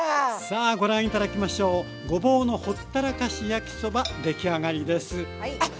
さあご覧頂きましょうごぼうのほったらかし焼きそば出来上がりですあっ